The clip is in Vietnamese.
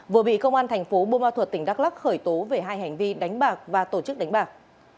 vừa bị công an thành phố bô ma thuật tỉnh đắk lắc khởi tố về hai hành vi đánh bạc và tổ chức đánh bạc